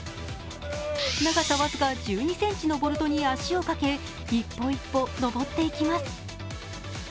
長さ僅か１２ｃｍのボルトに足をかけ一歩一歩のぼっていきます。